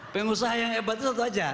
pengusaha yang hebat itu satu aja